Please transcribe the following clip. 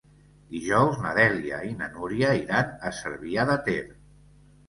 Dijous na Dèlia i na Núria iran a Cervià de Ter.